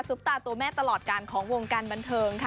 ตาตัวแม่ตลอดการของวงการบันเทิงค่ะ